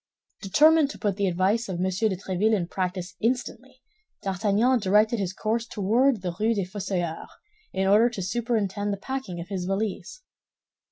Determined to put the advice of M. de Tréville in practice instantly, D'Artagnan directed his course toward the Rue des Fossoyeurs, in order to superintend the packing of his valise.